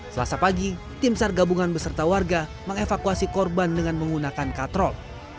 selasa pagi tim sar gabungan beserta warga mengevakuasi korban dengan menggunakan katrol